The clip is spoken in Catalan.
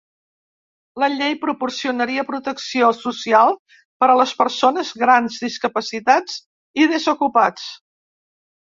La llei proporcionaria protecció social per a les persones grans, discapacitats i desocupats.